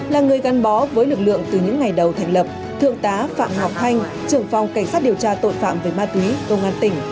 là người gắn bó với lực lượng từ những ngày đầu thành lập thượng tá phạm ngọc khanh trưởng phòng cảnh sát điều tra tội phạm về ma túy công an tỉnh